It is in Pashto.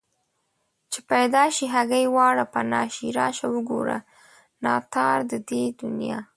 چې پيدا شي همگي واړه پنا شي راشه وگوره ناتار د دې دنيا